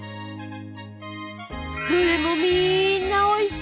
どれもみんなおいしそう！